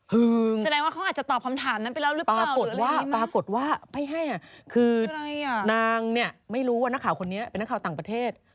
หึงปรากฏว่าไม่ให้อะคือนางเนี่ยไม่รู้ว่านักข่าวคนนี้เป็นนักข่าวต่างประเทศ